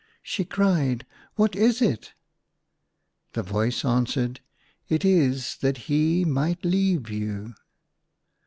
She cried, " What is it >" The voice answered, "It is that he might leave you."